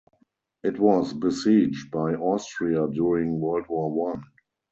It was besieged by Austria during World War One.